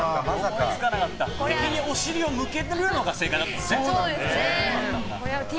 敵にお尻を向けるのが正解だったんですね。